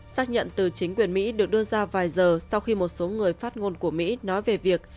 xác nhận từ chính quyền mỹ được đưa ra vài giờ sau khi một số người phát ngôn của mỹ nói về việc